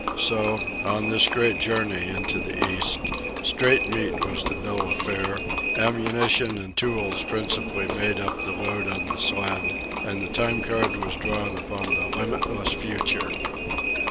So, on this great journey into the East, straight meat was the bill of fare, ammunition and tools principally made up the load on the sled, and the time card was drawn upon the limitless future.